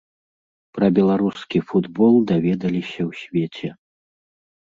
Пра беларускі футбол даведаліся ў свеце.